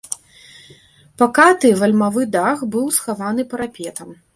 Пакаты вальмавы дах быў схаваны парапетам.